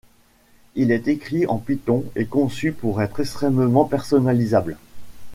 Il est écrit en Python et conçu pour être extrêmement personnalisable.